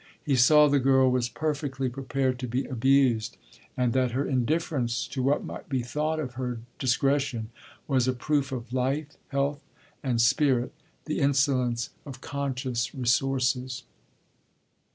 He saw the girl was perfectly prepared to be abused and that her indifference to what might be thought of her discretion was a proof of life, health, and spirit, the insolence of conscious resources.